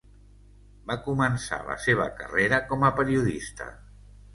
Va començar la seva carrera com a periodista.